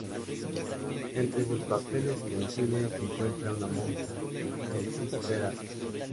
Entre sus papeles en el cine se encuentra una monja en "Sister Act".